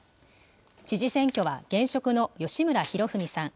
知事選挙は現職の吉村洋文さん。